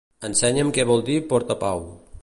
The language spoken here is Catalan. Ensenya'm què vol dir portapau.